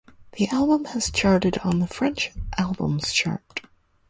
The album has charted on the French Albums Chart.